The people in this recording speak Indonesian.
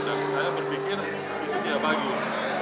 dan saya berpikir itu tidak bagus